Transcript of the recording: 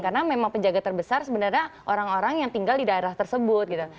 karena memang penjaga terbesar sebenarnya orang orang yang tinggal di daerah tersebut